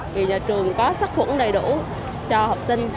vì nhà trường có sát khuẩn đầy đủ cho học sinh